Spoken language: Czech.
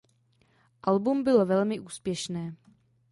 Album bylo velmi úspěšné.